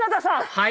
はい？